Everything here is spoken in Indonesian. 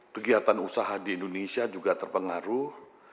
kegiatan usaha di indonesia juga terpengaruh